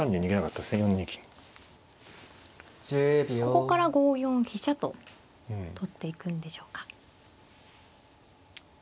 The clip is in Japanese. ここから５四飛車と取っていくんでしょうか。